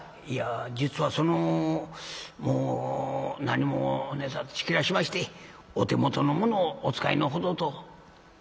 「いや実はそのもう何も切らしましてお手元のものをお使いのほどと」。